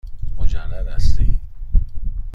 مجرد هستی؟